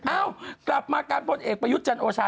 อ้าวกลับมาการพลเอกประยุทธจรรย์โอชา